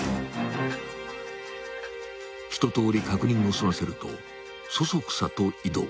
［一とおり確認を済ませるとそそくさと移動］